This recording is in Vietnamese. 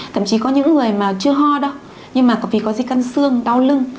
thậm chí có những người mà chưa ho đâu nhưng mà vì có di căn xương đau lưng